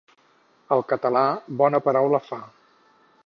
El català bona paraula fa.